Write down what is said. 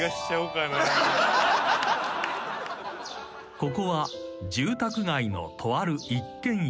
［ここは住宅街のとある一軒家］